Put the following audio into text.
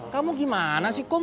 kamu gimana sih kum